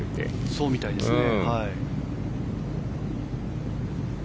そうみたいですね。